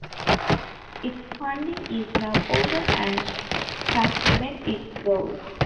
Its funding is now over and has met its goal.